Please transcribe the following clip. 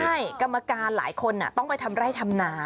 ใช่กรรมการหลายคนต้องไปทำไร่ทำนา